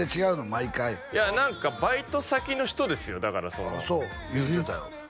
毎回いや何かバイト先の人ですよだからそのそう言うてたよ